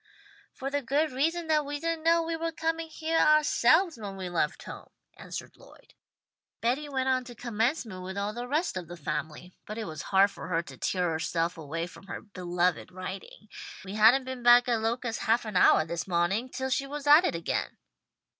"For the good reason that we didn't know we were coming heah ourselves when we left home," answered Lloyd. "Betty went on to Commencement with all the rest of the family, but it was hard for her to tear herself away from her beloved writing. We hadn't been back at Locust half an houah this mawning till she was at it again."